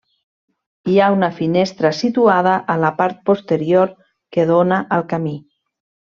Hi ha una finestra situada a la part posterior que dóna al camí.